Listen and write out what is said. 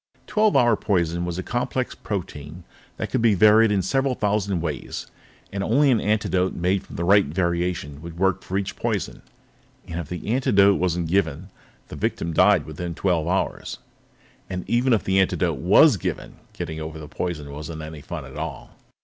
Twelve hour poison was a complex protein substance that could be varied in several thousand different ways, and only an antidote made from the right variation would work for each poison. If the antidote wasn't given, the victim died within twelve hours. And even if the antidote was given, getting over poison wasn't any fun at all.